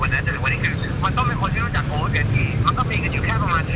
เอาอีกละกันเราสลับเป็นไปมา